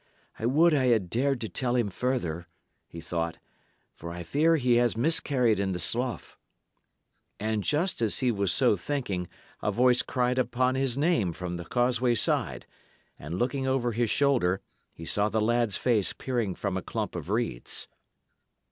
"I would I had dared to tell him further," he thought; "for I fear he has miscarried in the slough." And just as he was so thinking, a voice cried upon his name from the causeway side, and, looking over his shoulder, he saw the lad's face peering from a clump of reeds.